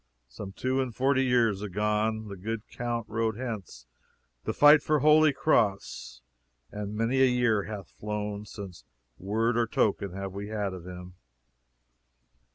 some two and forty years agone the good count rode hence to fight for Holy Cross, and many a year hath flown since word or token have we had of him.